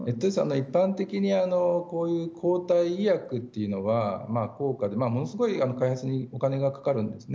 一般的に抗体医薬というのは高価でものすごいお金がかかるんですね。